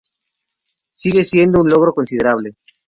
Sigue siendo un logro considerable".